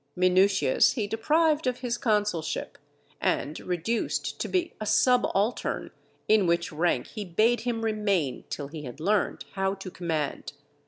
_" Minutius he deprived of his consulship, and reduced to be a subaltern, in which rank he bade him remain till he had learned how to command.